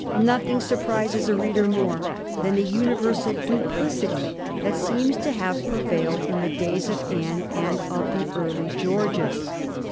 Nothing surprises a reader more than the universal duplicity that seems to have prevailed in the days of Anne and of the early Georges.